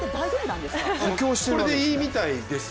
これでいいみたいです。